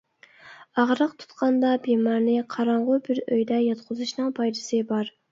ئاغرىق تۇتقاندا بىمارنى قاراڭغۇ بىر ئۆيدە ياتقۇزۇشنىڭ پايدىسى بار.